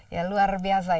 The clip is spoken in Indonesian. ya luar biasa